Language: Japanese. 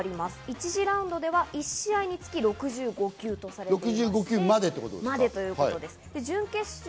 １次ラウンドでは１試合につき６５球とされています。